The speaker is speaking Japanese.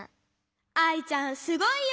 アイちゃんすごいよ！